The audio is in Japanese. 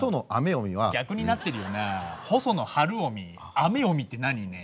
雨臣って何？ねえ。